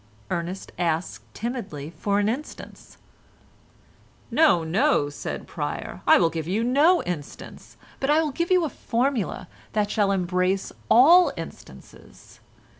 Ernest asked timidly for an instance. "No, no," said Pryer, "I will give you no instance, but I will give you a formula that shall embrace all instances.